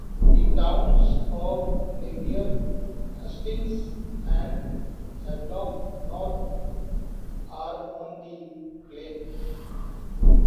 The towns of Napier, Hastings and Havelock North are on the plain.